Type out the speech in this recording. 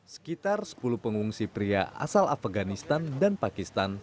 sekitar sepuluh pengungsi pria asal afganistan dan pakistan